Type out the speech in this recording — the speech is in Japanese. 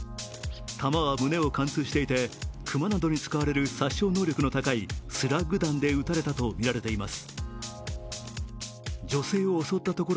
弾は胸を貫通していて、熊などに使われる殺傷能力の高いスラッグ弾で撃たれたとみられています。